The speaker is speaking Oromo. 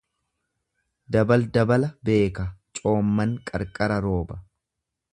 Dabal dabala beeka coomman qarqara rooba.